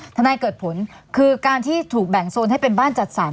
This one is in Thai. นายเกิดผลคือการที่ถูกแบ่งโซนให้เป็นบ้านจัดสรร